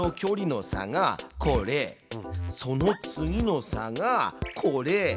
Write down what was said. その次の差がこれ。